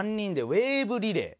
ウェーブリレー？